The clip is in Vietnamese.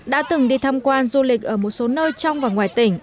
đã từng đi tham quan du lịch ở một số nơi trong và ngoài tỉnh